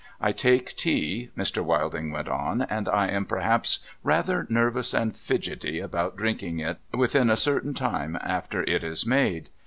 ' I take tea,' Mr. ^^'ilding went on ;' and I am perhaps rather nervous and fidgety about drinking it, within a certain time after it is made.